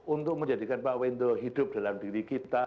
untuk menjadikan pak wendo hidup dalam diri kita